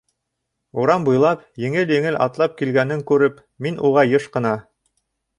Урам буйлап, еңел-еңел атлап килгәнен күреп, мин уға йыш ҡына: